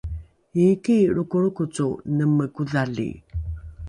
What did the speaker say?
iiki lrokolrokoco mene kodhali